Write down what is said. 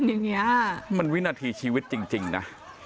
อย่างเงี้ยมันวินาทีชีวิตจริงจริงน่ะ